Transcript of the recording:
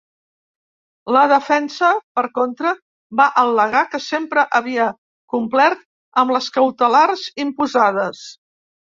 La defensa, per contra, va al·legar que sempre havia complert amb les cautelars imposades.